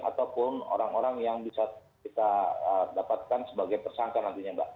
ataupun orang orang yang bisa kita dapatkan sebagai tersangka nantinya mbak